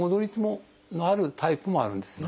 行きつ戻りつがあるタイプもあるんですね。